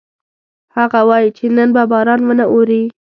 هغه وایي چې نن به باران ونه اوري